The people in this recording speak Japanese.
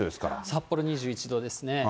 札幌２１度ですね。